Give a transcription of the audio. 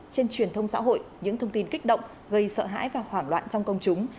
trên truyền thông xã hội những thông tin kích động gây sợ hãi và hoảng loạn trong công chúng